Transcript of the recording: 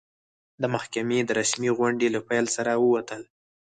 د محکمې د رسمي غونډې له پیل سره ووتل.